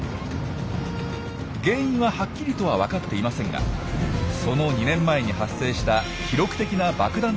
原因ははっきりとは分かっていませんがその２年前に発生した記録的な爆弾